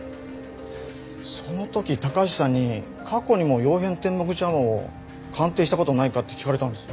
その時高橋さんに「過去にも曜変天目茶碗を鑑定した事ないか？」って聞かれたんです。